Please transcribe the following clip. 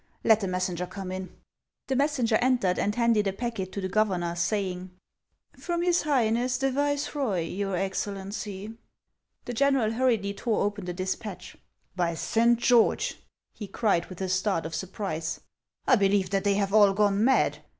Let the messenger come in." The messenger entered, and handed a packet to the governor, saying, " From his highness the viceroy, your Excellency." The general hurriedly tore open the despatch. " By Saint George !" he cried, with a start of surprise, " T believe that they have all gone mad